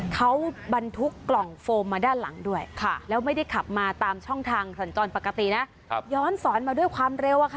เขาบรรทุกกล่องโฟมมาด้านหลังด้วยค่ะ